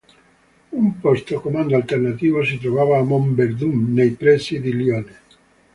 Un posto comando alternativo si trovava a Mont Verdun, nei pressi di Lione.